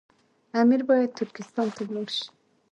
امیر باید ترکستان ته ولاړ شي.